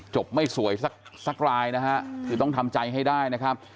ไม่สวยสักรายนะฮะคือต้องทำใจให้ได้นะครับ